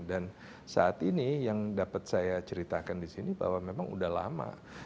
dan saat ini yang dapat saya ceritakan di sini bahwa memang sudah lama